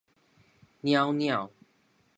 裊裊